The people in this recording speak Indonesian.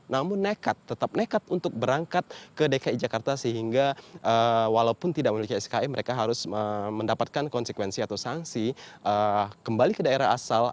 namun nekat tetap nekat untuk berangkat ke dki jakarta sehingga walaupun tidak memiliki skm mereka harus mendapatkan konsekuensi atau sanksi kembali ke daerah asal